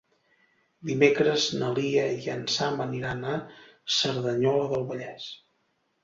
Dimecres na Lia i en Sam aniran a Cerdanyola del Vallès.